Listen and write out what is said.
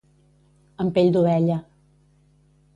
Amb pell d'ovella.